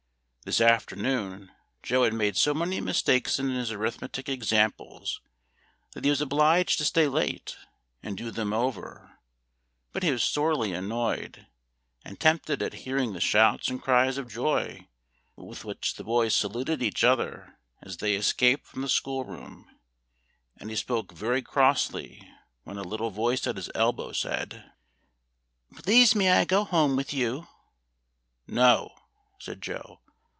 This afternoon Joe had made so many mistakes in his arithmetic examples that he was obliged to stay late, and do them over; but he was sorely annoyed and tempted at hearing the shouts and cries of joy with which the boys saluted each other as they escaped from the school room, and he spoke very crossly when a little voice at his elbow said, "Please may I go home with you?" "No," said Joe.